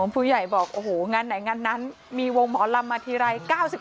ผู้ใหญ่บอกโอ้โหงานไหนงานนั้นมีวงหมอลำมาทีไร๙๓